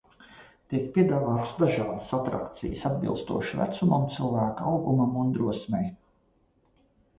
Tiek piedāvātas dažādas atrakcijas, atbilstoši vecumam, cilvēka augumam un drosmei.